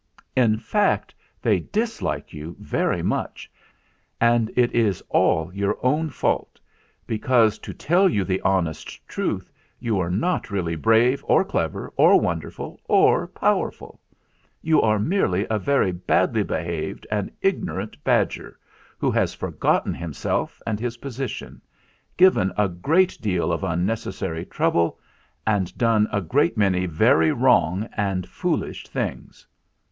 In fact, they dislike you very much ; and it is all your own fault, because, to tell you the honest truth, you are not really brave or clever or wonderful or powerful. You are merely a very badly behaved and ignorant badger, who has forgotten himself and his position, given a great deal of unnec essary trouble, and done a great many very wrong and foolish things."